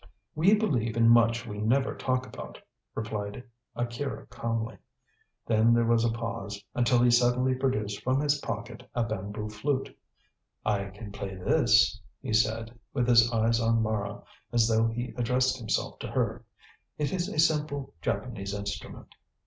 "We believe in much we never talk about," replied Akira calmly. Then there was a pause, until he suddenly produced from his pocket a bamboo flute. "I can play this," he said, with his eyes on Mara, as though he addressed himself to her; "it is a simple Japanese instrument.